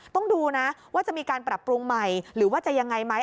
ต้องดูนะว่าจะมีการปรับปรุงใหม่หรือว่าจะยังไงไหม